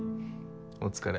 お疲れ。